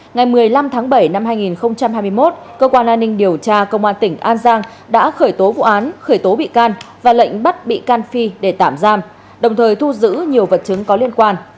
ngày một mươi năm tháng bảy năm hai nghìn hai mươi một cơ quan an ninh điều tra công an tỉnh an giang đã khởi tố vụ án khởi tố bị can và lệnh bắt bị can phi để tạm giam đồng thời thu giữ nhiều vật chứng có liên quan